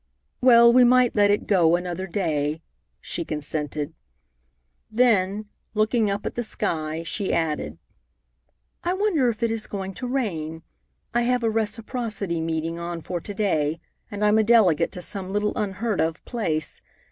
"Well, we might let it go another day," she consented. Then, looking up at the sky, she added, "I wonder if it is going to rain. I have a Reciprocity meeting on for to day, and I'm a delegate to some little unheard of place.